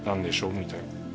みたいな。